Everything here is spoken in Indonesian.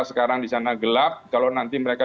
sekarang di sana gelap kalau nanti mereka